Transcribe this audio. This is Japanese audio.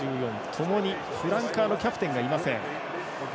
ともにフランカーのキャプテンがいません。